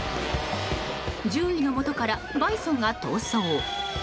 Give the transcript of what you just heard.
獣医のもとからバイソンが逃走。